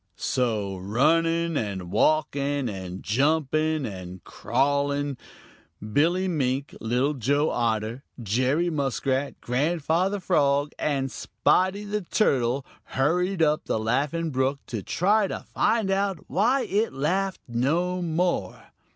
So running and walking and jumping and crawling, Billy Mink, Little Joe Otter, Jerry Muskrat, Grandfather Frog, and Spotty the Turtle hurried up the Laughing Brook to try to find out why it laughed no more.